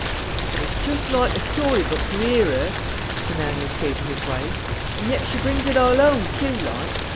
"It's joost loike a story book to hear her," the man would say to his wife; "and yet she brings it all hoame, too, loike.